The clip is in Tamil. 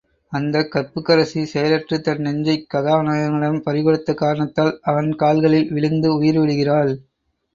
அந்தக் கற்புக்கரசி செயலற்றுத் தன் நெஞ்சைக் கதா நாயகனிடம் பறிகொடுத்த காரணத்தால் அவன் கால்களில் விழுந்து உயிர்விடுகிறாள்.